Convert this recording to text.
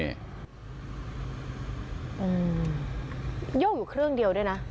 โย่งอยู่เครื่องเดียวด้วยนะ